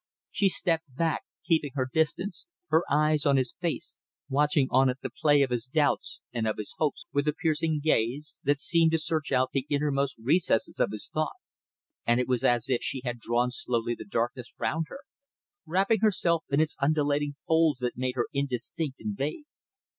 She stepped back, keeping her distance, her eyes on his face, watching on it the play of his doubts and of his hopes with a piercing gaze, that seemed to search out the innermost recesses of his thought; and it was as if she had drawn slowly the darkness round her, wrapping herself in its undulating folds that made her indistinct and vague.